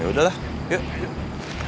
ya udah lah yuk